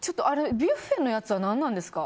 ビュッフェのやつは何なんですか？